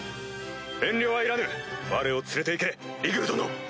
遠慮はいらぬわれを連れて行けリグル殿！